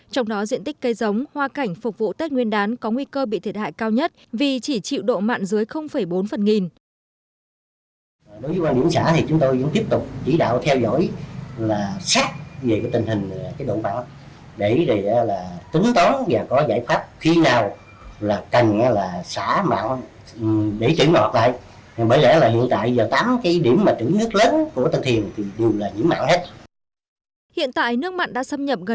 trong đó diện tích cây giống hoa cảnh phục vụ tết nguyên đán có nguy cơ bị thiệt hại cao nhất vì chỉ chịu độ mặn dưới bốn phần nghìn